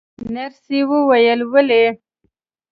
نرسې وویل: ولې؟